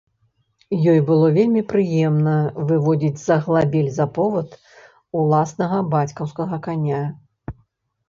Ёй было вельмі прыемна выводзіць з аглабель за повад уласнага бацькаўскага каня.